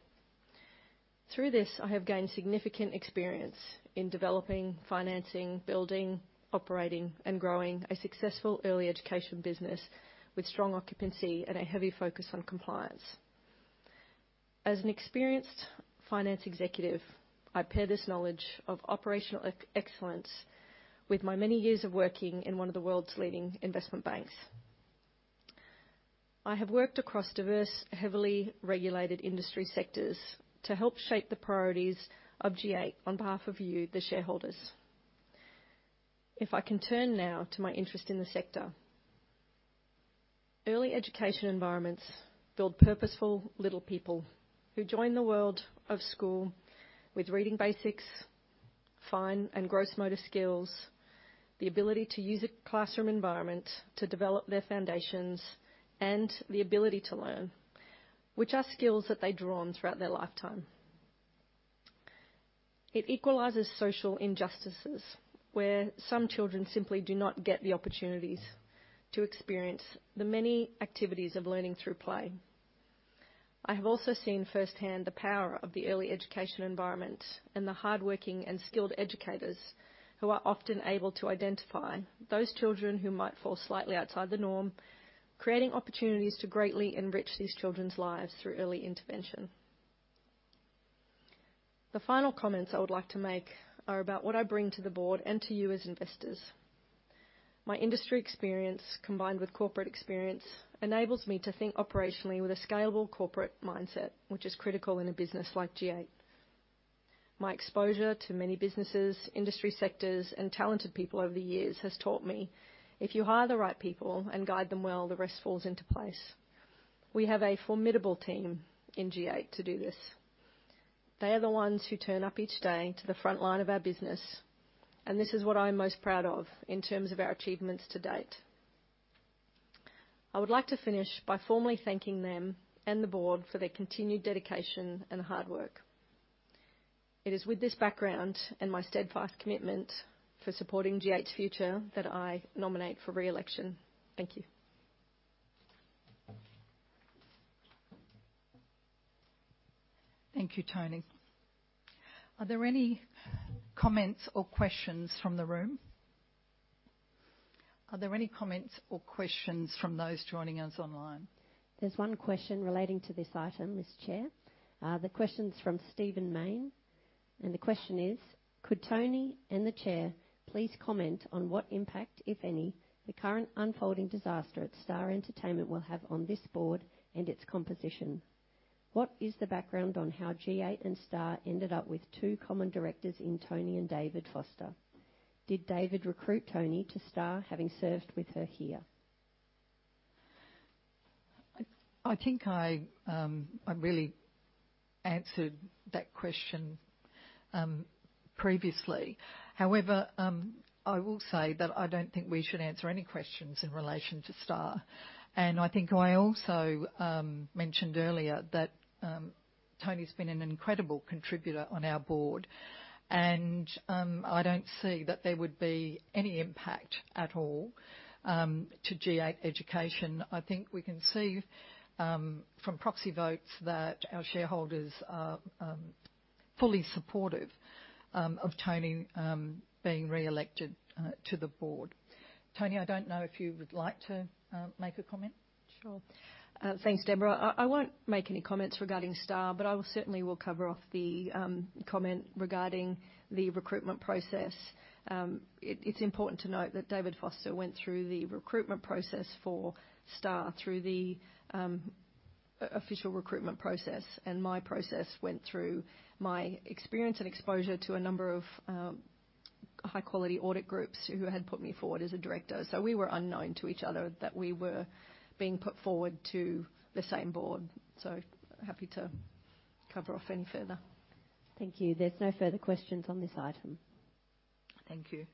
[SPEAKER 6] Through this, I have gained significant experience in developing, financing, building, operating, and growing a successful early education business with strong occupancy and a heavy focus on compliance. As an experienced finance executive, I pair this knowledge of operational excellence with my many years of working in one of the world's leading investment banks. I have worked across diverse, heavily regulated industry sectors to help shape the priorities of G8 on behalf of you, the shareholders. If I can turn now to my interest in the sector, early education environments build purposeful little people who join the world of school with reading basics, fine and gross motor skills, the ability to use a classroom environment to develop their foundations, and the ability to learn, which are skills that they draw on throughout their lifetime. It equalises social injustices where some children simply do not get the opportunities to experience the many activities of learning through play. I have also seen firsthand the power of the early education environment and the hardworking and skilled educators who are often able to identify those children who might fall slightly outside the norm, creating opportunities to greatly enrich these children's lives through early intervention. The final comments I would like to make are about what I bring to the Board and to you as investors. My industry experience, combined with corporate experience, enables me to think operationally with a scalable corporate mindset, which is critical in a business like G8. My exposure to many businesses, industry sectors, and talented people over the years has taught me, if you hire the right people and guide them well, the rest falls into place. We have a formidable team in G8 to do this. They are the ones who turn up each day to the front line of our business, and this is what I'm most proud of in terms of our achievements to date. I would like to finish by formally thanking them and the Board for their continued dedication and hard work. It is with this background and my steadfast commitment for supporting G8's future that I nominate for re-election. Thank you.
[SPEAKER 1] Thank you, Toni. Are there any comments or questions from the room? Are there any comments or questions from those joining us online?
[SPEAKER 4] There's one question relating to this item, Ms. Chair. The question's from Stephen Mayne. The question is, could Toni and the chair please comment on what impact, if any, the current unfolding disaster at Star Entertainment will have on this Board and its composition? What is the background on how G8 and Star ended up with two common directors in Toni and David Foster? Did David recruit Toni to Star, having served with her here?
[SPEAKER 1] I think I really answered that question previously. However, I will say that I don't think we should answer any questions in relation to Star. I think I also mentioned earlier that Toni's been an incredible contributor on our Board, and I don't see that there would be any impact at all to G8 Education. I think we can see from proxy votes that our shareholders are fully supportive of Toni being re-elected to the Board. Toni, I don't know if you would like to make a comment.
[SPEAKER 6] Sure. Thanks, Debra. I won't make any comments regarding Star, but I certainly will cover off the comment regarding the recruitment process. It's important to note that David Foster went through the recruitment process for Star through the official recruitment process, and my process went through my experience and exposure to a number of high-quality audit groups who had put me forward as a director. So we were unknown to each other that we were being put forward to the same board. So happy to cover off any further.
[SPEAKER 4] Thank you. There's no further questions on this item.
[SPEAKER 1] Thank you.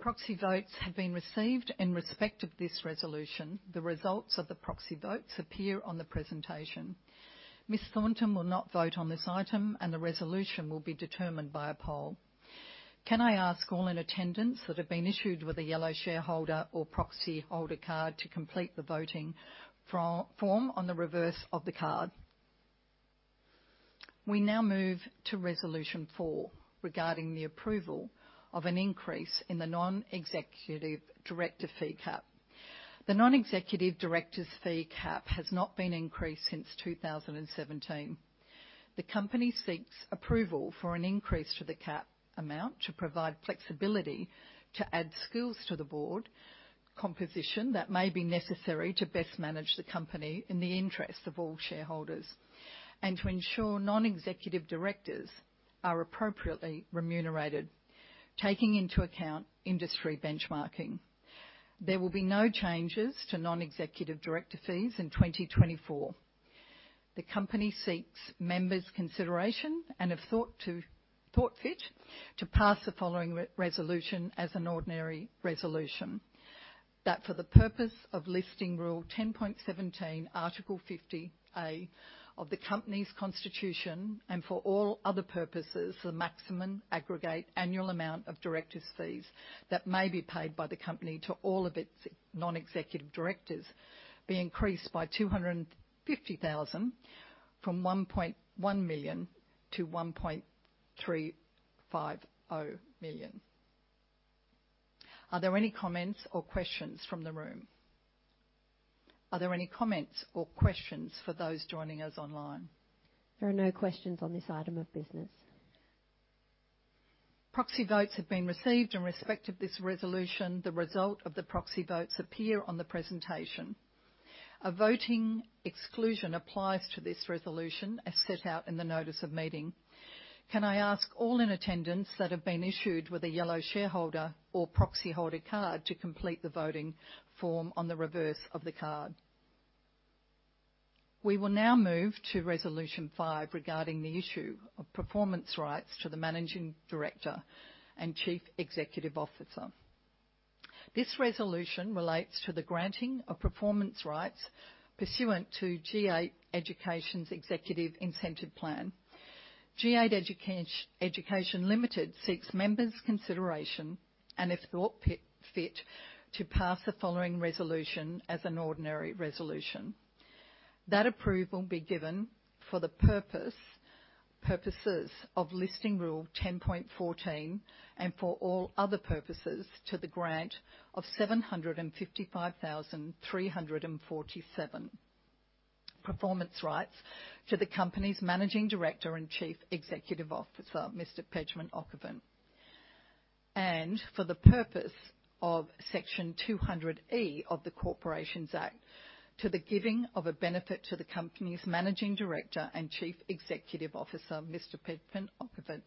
[SPEAKER 1] Proxy votes have been received in respect of this resolution. The results of the proxy votes appear on the presentation. Ms. Thornton will not vote on this item, and the resolution will be determined by a poll. Can I ask all in attendance that have been issued with a yellow shareholder or proxy holder card to complete the voting form on the reverse of the card? We now move to resolution 4 regarding the approval of an increase in the Non-Executive Director fee cap. The Non-Executive Director's fee cap has not been increased since 2017. The company seeks approval for an increase to the cap amount to provide flexibility to add skills to the Board, composition that may be necessary to best manage the company in the interest of all shareholders, and to ensure Non-Executive Directors are appropriately remunerated, taking into account industry benchmarking. There will be no changes to Non-Executive Director fees in 2024. The company seeks members' consideration and, if thought fit, to pass the following resolution as an ordinary resolution: that for the purpose of Listing Rule 10.17, Article 50A, of the company's constitution and for all other purposes, the maximum aggregate annual amount of Directors' fees that may be paid by the company to all of its Non-Executive Directors be increased by 250,000 from 1.1 million to 1.350 million. Are there any comments or questions from the room? Are there any comments or questions for those joining us online?
[SPEAKER 4] There are no questions on this item of business.
[SPEAKER 1] Proxy votes have been received in respect of this resolution. The result of the proxy votes appear on the presentation. A voting exclusion applies to this resolution as set out in the Notice of Meeting. Can I ask all in attendance that have been issued with a yellow shareholder or proxy holder card to complete the voting form on the reverse of the card? We will now move to Resolution 5 regarding the issue of performance rights to the Managing Director and Chief Executive Officer. This resolution relates to the granting of performance rights pursuant to G8 Education's Executive Incentive Plan. G8 Education Limited seeks members' consideration and, if thought fit, to pass the following resolution as an ordinary resolution. That approval will be given for the purposes of Listing Rule 10.14 and for all other purposes to the grant of 755,347 performance rights to the company's Managing Director and Chief Executive Officer, Mr. Pejman Okhovat. For the purpose of Section 200E of the Corporations Act, to the giving of a benefit to the company's Managing Director and Chief Executive Officer, Mr. Pejman Okhovat,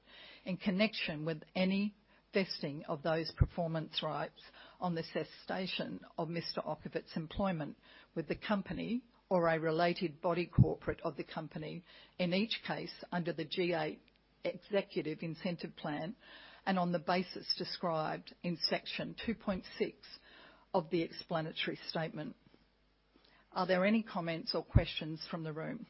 [SPEAKER 1] in connection with any vesting of those performance rights on the cessation of Mr. Okhovat's employment with the company or a related body corporate of the company, in each case under the G8 Executive Incentive Plan and on the basis described in Section 2.6 of the Explanatory Statement. Are there any comments or questions from the room?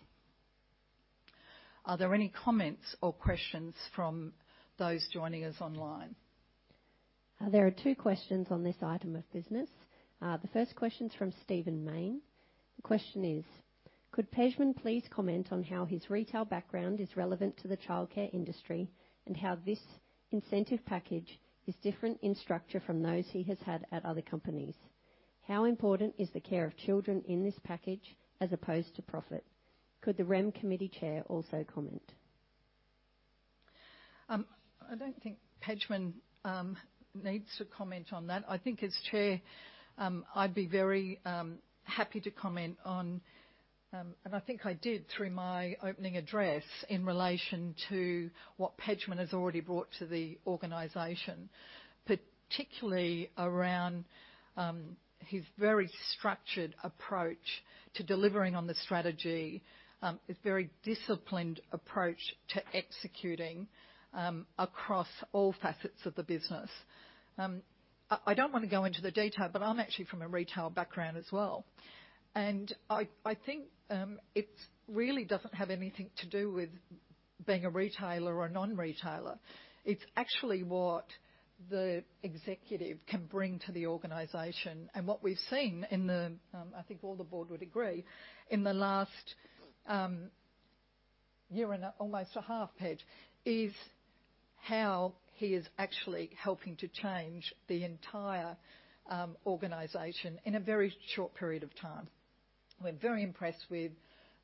[SPEAKER 1] Are there any comments or questions from those joining us online?
[SPEAKER 4] There are two questions on this item of business. The first question's from Stephen Mayne. The question is, could Pejman please comment on how his retail background is relevant to the childcare industry and how this incentive package is different in structure from those he has had at other companies? How important is the care of children in this package as opposed to profit? Could the Rem Committee chair also comment?
[SPEAKER 1] I don't think Pejman needs to comment on that. I think, as chair, I'd be very happy to comment on and I think I did through my opening address in relation to what Pejman has already brought to the organization, particularly around his very structured approach to delivering on the strategy, his very disciplined approach to executing across all facets of the business. I don't want to go into the detail, but I'm actually from a retail background as well. And I think it really doesn't have anything to do with being a retailer or a non-retailer. It's actually what the executive can bring to the organization. And what we've seen in the, I think, all the Board would agree in the last year and almost a half, Pej, is how he is actually helping to change the entire organization in a very short period of time. We're very impressed with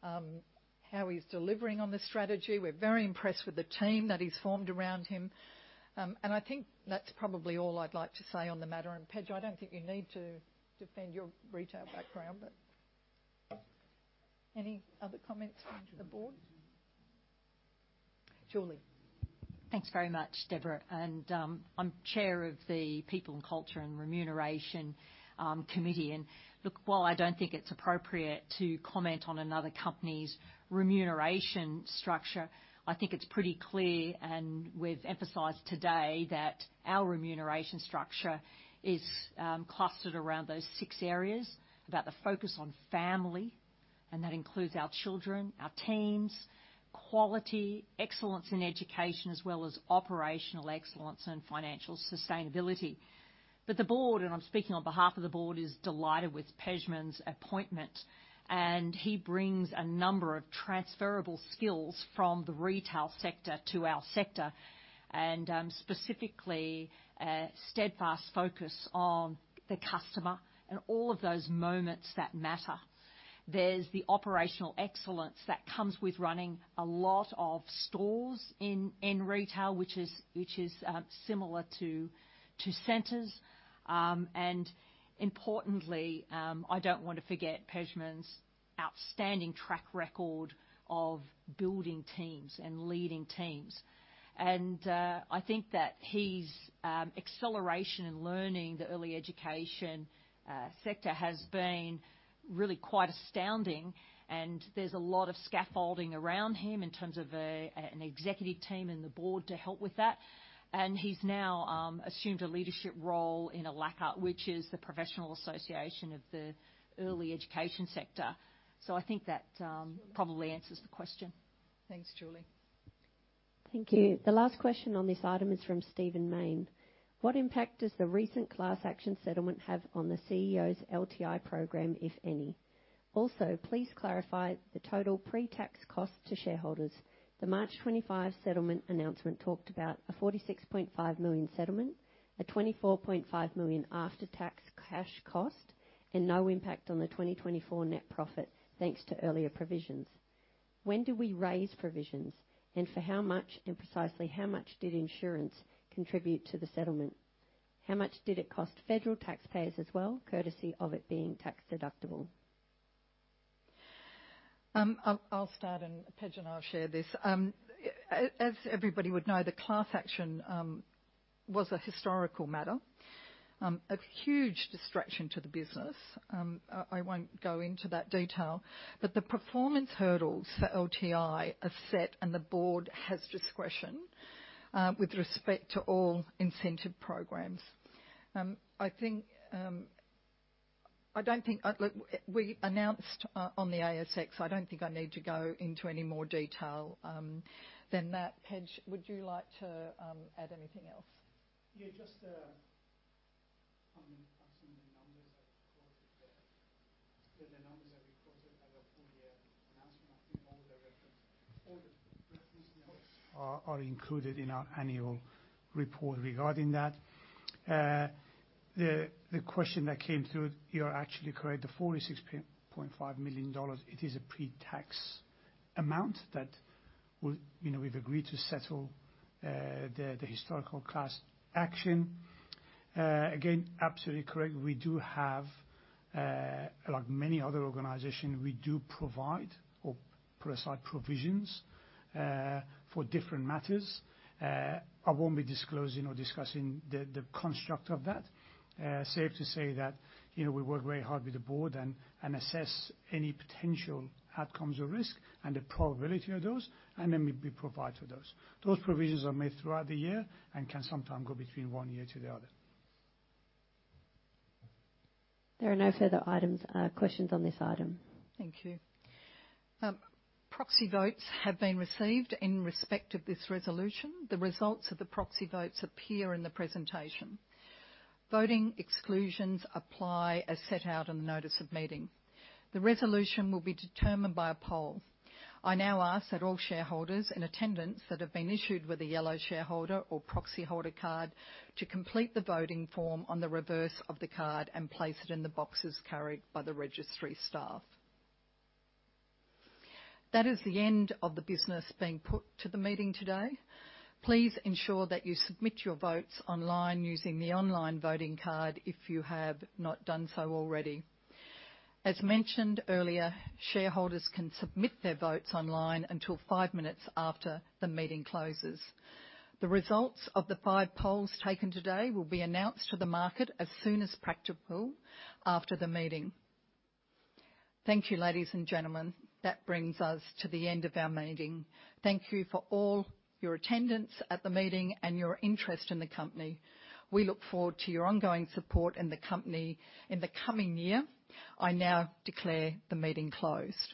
[SPEAKER 1] how he's delivering on the strategy. We're very impressed with the team that he's formed around him. I think that's probably all I'd like to say on the matter. And, Pej, I don't think you need to defend your retail background, but any other comments from the board? Julie.
[SPEAKER 7] Thanks very much, Debra. I'm Chair of the People and Culture and Remuneration Committee. Look, while I don't think it's appropriate to comment on another company's remuneration structure, I think it's pretty clear, and we've emphasized today, that our remuneration structure is clustered around those six areas, about the focus on Family, and that includes our children, our Teams, Quality, Excellence in Education, as well as Operational Excellence and Financial Sustainability. The Board, and I'm speaking on behalf of the Board, is delighted with Pejman's appointment. He brings a number of transferable skills from the retail sector to our sector, and specifically a steadfast focus on the customer and all of those moments that matter. There's the operational excellence that comes with running a lot of stores in retail, which is similar to centers. Importantly, I don't want to forget Pejman's outstanding track record of building teams and leading teams. I think that his acceleration in learning the early education sector has been really quite astounding. There's a lot of scaffolding around him in terms of an executive team and the Board to help with that. He's now assumed a leadership role in ELACCA, which is the professional association of the early education sector. So I think that probably answers the question.
[SPEAKER 1] Thanks, Julie.
[SPEAKER 4] Thank you. The last question on this item is from Stephen Mayne. What impact does the recent class action settlement have on the CEO's LTI program, if any? Also, please clarify the total pre-tax cost to shareholders. The March 25 settlement announcement talked about a 46.5 million settlement, a 24.5 million after-tax cash cost, and no impact on the 2024 net profit thanks to earlier provisions. When do we raise provisions, and for how much and precisely how much did insurance contribute to the settlement? How much did it cost federal taxpayers as well, courtesy of it being tax deductible?
[SPEAKER 1] I'll start, and Pej and I'll share this. As everybody would know, the class action was a historical matter, a huge distraction to the business. I won't go into that detail. But the performance hurdles for LTI are set, and the Board has discretion with respect to all incentive programs. I don't think we announced on the ASX. I don't think I need to go into any more detail than that. Pej, would you like to add anything else?
[SPEAKER 2] Yeah. Just some of the numbers I reported. Yeah, the numbers I reported at the full-year announcement, I think all the reference notes. Are included in our annual report regarding that. The question that came through, you're actually correct. The 46.5 million dollars, it is a pre-tax amount that we've agreed to settle the historical class action. Again, absolutely correct. We do have, like many other organizations, we do provide or put aside provisions for different matters. I won't be disclosing or discussing the construct of that. Safe to say that we work very hard with the Board and assess any potential outcomes or risk and the probability of those, and then we provide for those. Those provisions are made throughout the year and can sometimes go between one year to the other.
[SPEAKER 4] There are no further questions on this item.
[SPEAKER 1] Thank you. Proxy votes have been received in respect of this resolution. The results of the proxy votes appear in the presentation. Voting exclusions apply as set out in the Notice of Meeting. The resolution will be determined by a poll. I now ask that all shareholders in attendance that have been issued with a yellow shareholder or proxy holder card to complete the voting form on the reverse of the card and place it in the boxes carried by the registry staff. That is the end of the business being put to the meeting today. Please ensure that you submit your votes online using the online voting card if you have not done so already. As mentioned earlier, shareholders can submit their votes online until five minutes after the meeting closes. The results of the five polls taken today will be announced to the market as soon as practicable after the meeting. Thank you, ladies and gentlemen. That brings us to the end of our meeting. Thank you for all your attendance at the meeting and your interest in the company. We look forward to your ongoing support in the company in the coming year. I now declare the meeting closed.